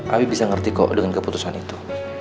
abi bisa ngerti kok dengan keputusan itu